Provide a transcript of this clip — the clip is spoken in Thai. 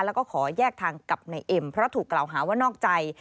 แล้วก็ขอแยกทางกับนายเอ็มเพราะถูกกล่าวหาว่านอกใจ